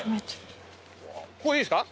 ここいいですか？